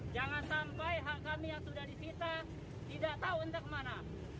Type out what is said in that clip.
jangan sampai hak kami yang sudah disita tidak tahu untuk mana